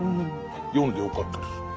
読んでよかったです。